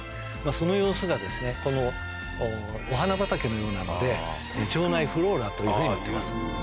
その様子がお花畑のようなので腸内フローラというふうに言ってます。